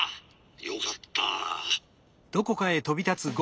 よかった！